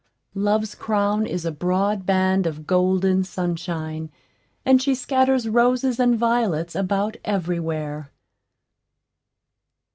Love's crown is a broad band of golden sunshine, and she scatters roses and violets about every where.